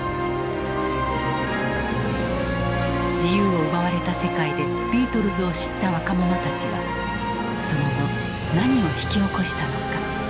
自由を奪われた世界でビートルズを知った若者たちはその後何を引き起こしたのか。